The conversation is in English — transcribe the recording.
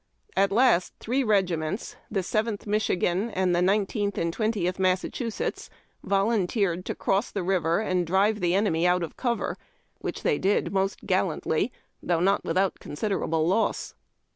At last three regiments, the Seventh Michigan, and the Nineteenth and Twentieth ^Massachusetts, volunteered to cross the river, and drive the enemy out of cover, which they did most gallantly, though not without considerable loss.